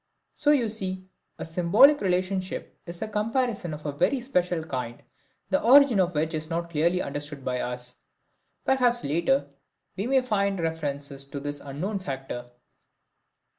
So you see, a symbolic relationship is a comparison of a very special kind, the origin of which is not yet clearly understood by us. Perhaps later we may find references to this unknown factor.